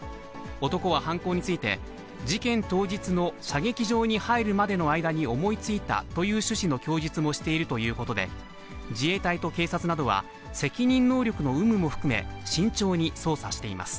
男は犯行について、事件当日の射撃場に入るまでの間に思いついたという趣旨の供述もしているということで、自衛隊と警察などは、責任能力の有無も含め、慎重に捜査しています。